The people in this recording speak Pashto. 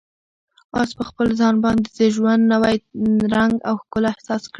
آس په خپل ځان باندې د ژوند نوی رنګ او ښکلا احساس کړه.